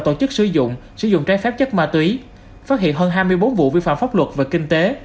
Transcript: tổ chức sử dụng sử dụng trái phép chất ma túy phát hiện hơn hai mươi bốn vụ vi phạm pháp luật về kinh tế